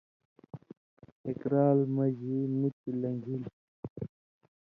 ایک رال مژ مہ مُتیۡ لن٘گِھلیۡ۔